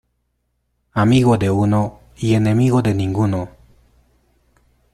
Amigo de uno, y enemigo de ninguno.